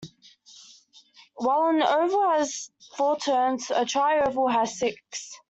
While an oval has four turns, a tri-oval has six.